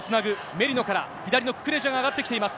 メリノから、左のククレジャが上がってきています。